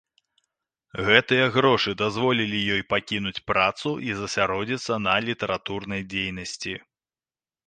Гэтыя грошы дазволілі ёй пакінуць працу і засяродзіцца на літаратурнай дзейнасці.